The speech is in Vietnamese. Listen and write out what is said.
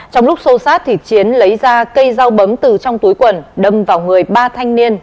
trong lúc sâu sát chiến lấy ra cây dao bấm từ trong túi quần đâm vào người ba thanh niên